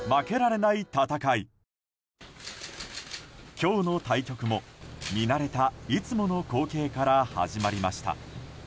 今日の対局も見慣れたいつもの光景から始まりました。